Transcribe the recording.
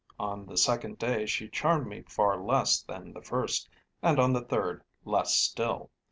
On the second day she charmed me far less than the first, and on the third, less still.